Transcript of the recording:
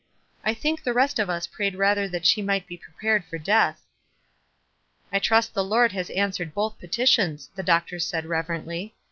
1 think the rest of us prayed rather that she might be prepared for death." "I trust the Lord has answered both peti tions," the doctor said, reverently.